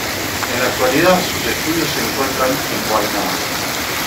En la actualidad sus estudios se encuentran en Guaynabo.